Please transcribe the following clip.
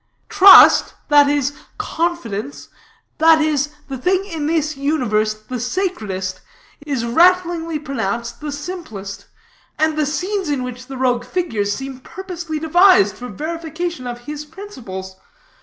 Trust, that is, confidence that is, the thing in this universe the sacredest is rattlingly pronounced just the simplest. And the scenes in which the rogue figures seem purposely devised for verification of his principles.